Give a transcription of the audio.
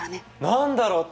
何だろう？